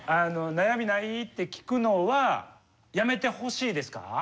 「悩みない？」って聞くのはやめてほしいですか？